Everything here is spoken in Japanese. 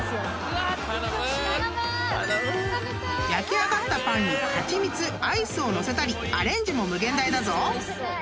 ［焼き上がったパンに蜂蜜アイスを載せたりアレンジも無限大だぞ］